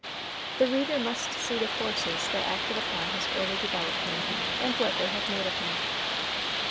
The reader must see the forces that acted upon his early development, and what they have made of him.